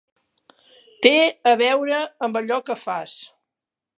Té a veure amb allò que fas.